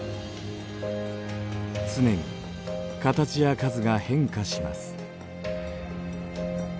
常に形や数が変化します。